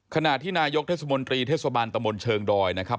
ขณะที่นายกเทศมนตรีเทศบาลตะมนต์เชิงดอยนะครับ